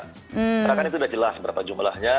karena kan itu sudah jelas berapa jumlahnya